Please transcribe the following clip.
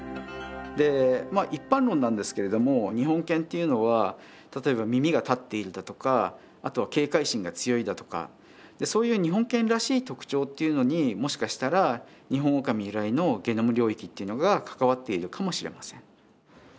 一般論なんですけれども日本犬っていうのは例えば耳が立っているだとかあとは警戒心が強いだとかそういう日本犬らしい特徴っていうのにもしかしたらニホンオオカミ由来のゲノム領域っていうのが関わっているかもしれません。